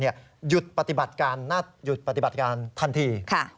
หยุดปฏิบัติการทันที